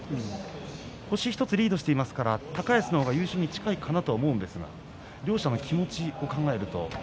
星１つリードしていますから高安の方が優勝に近いかなと思いますが両者の気持ちを考えると。